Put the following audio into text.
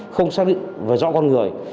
không xác định và rõ con người